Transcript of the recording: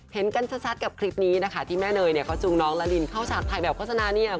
เห็นกันชัดกับคลิปนี้นะคะที่แม่เนยเนี่ยเขาจูงน้องละลินเข้าฉากถ่ายแบบโฆษณาเนี่ย